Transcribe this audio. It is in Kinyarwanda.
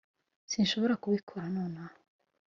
sinshobora kubikora nonaha.